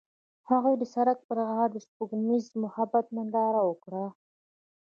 هغوی د سړک پر غاړه د سپوږمیز محبت ننداره وکړه.